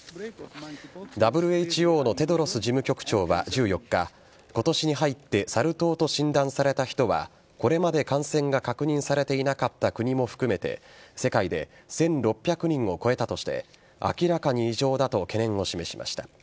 ＷＨＯのテドロス事務局長は１４日今年に入ってサル痘と診断された人はこれまで感染が確認されていなかった国も含めて世界で１６００人を超えたとして明らかに異常だと懸念を示しました。